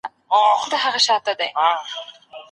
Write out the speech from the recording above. د اوبو بندونه باید د ګاونډیو په زیان ونه کارول سي.